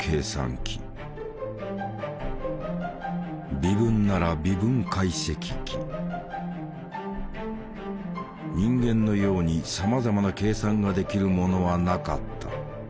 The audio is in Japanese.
微分なら人間のようにさまざまな計算ができるものはなかった。